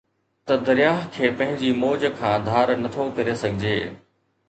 ته درياهه کي پنهنجي موج کان ڌار نٿو ڪري سگهجي